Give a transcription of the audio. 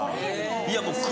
いやもう首